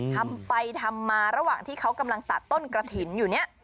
ทำไปทำมาระหว่างที่เขากำลังตัดต้นกระถิ่นอยู่เนี่ย